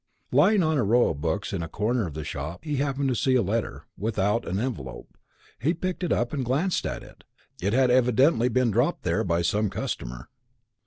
Lying on a row of books in a corner of the shop he happened to see a letter, without an envelope. He picked it up and glanced at it. It had evidently been dropped there by some customer.